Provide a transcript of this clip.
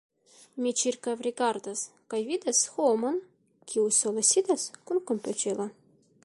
Mi ĉirkaŭrigardas, kaj vidas homon, kiu sole sidas kun komputilo.